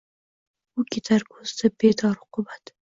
U ketar – ko’zida bedor uqubat